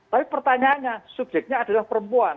tapi pertanyaannya subjeknya adalah perempuan